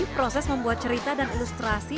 proses membuat cerita dan ilustrasi